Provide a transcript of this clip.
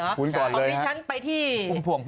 วันนี้ฉันไปที่พุ่มพวง